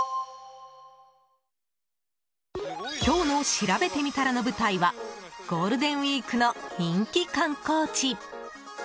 今日のしらべてみたらの舞台はゴールデンウイークの人気観光地。